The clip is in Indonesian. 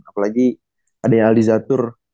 apalagi ada yang aldi zatur